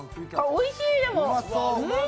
おいしいでも。